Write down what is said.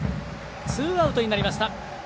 ツーアウトになりました。